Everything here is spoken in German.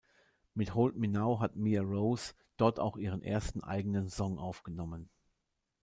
Mit "Hold Me Now" hat Mia Rose dort auch ihren ersten eigenen Song aufgenommen.